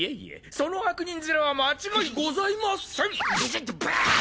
その悪人ヅラは間違いございません。